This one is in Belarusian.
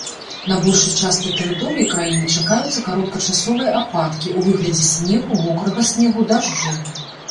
На большай частцы тэрыторыі краіны чакаюцца кароткачасовыя ападкі ў выглядзе снегу, мокрага снегу, дажджу.